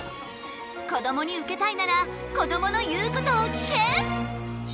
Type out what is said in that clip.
こどもにウケたいならこどもの言うことを聞け！